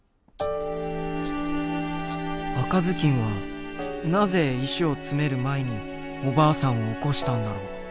赤ずきんはなぜ石を詰める前におばあさんを起こしたんだろう。